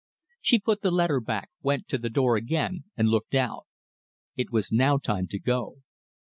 She put the letter back, went to the door again, and looked out. It was now time to go.